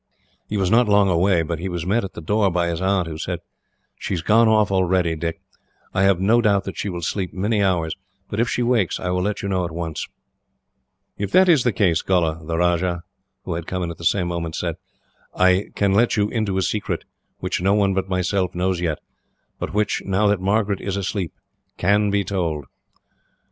He was not long away, but he was met at the door by his aunt, who said: "She has gone off already, Dick. I have no doubt that she will sleep many hours, but if she wakes, I will let you know at once." "If that is the case, Gholla," the Rajah, who had come in at the same moment, said, "I can let you into a secret, which no one but myself knows yet, but which, now that Margaret is asleep, can be told."